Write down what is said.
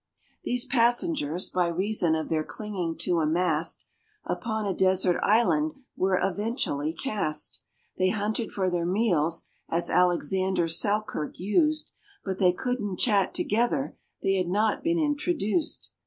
These passengers, by reason of their clinging to a mast, Upon a desert island were eventually cast. They hunted for their meals, as ALEXANDER SELKIRK used, But they couldn't chat together they had not been introduced.